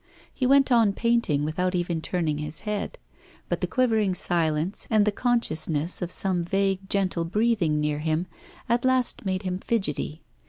He went on painting without even turning his head. But the quivering silence, and the consciousness of some vague gentle breathing near him, at last made him fidgety.